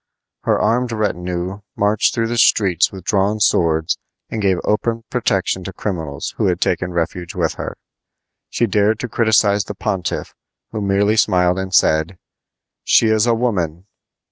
Her armed retinue marched through the streets with drawn swords and gave open protection to criminals who had taken refuge with her. She dared to criticize the pontiff, who merely smiled and said: "She is a woman!"